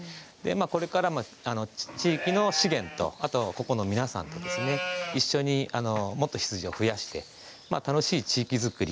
これからも地域の資源とここの皆さんと一緒にもっと羊を増やして楽しい地域づくり